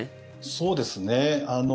そうですね。